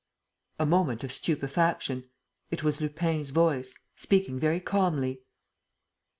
A moment of stupefaction. It was Lupin's voice, speaking very calmly.